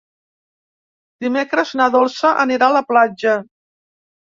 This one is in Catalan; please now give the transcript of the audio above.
Dimecres na Dolça anirà a la platja.